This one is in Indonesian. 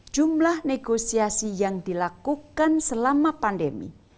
jumlah negosiasi yang dilakukan selama pandemi